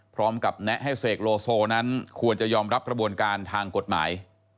แนะให้เสกโลโซนั้นควรจะยอมรับกระบวนการทางกฎหมาย